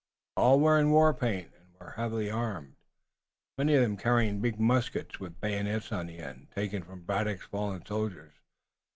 All were in war paint and were heavily armed, many of them carrying big muskets with bayonets on the end, taken from Braddock's fallen soldiers.